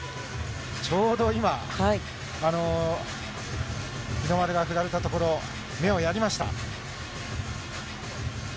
ちょうど今、日の丸が振られた所、目をやりました。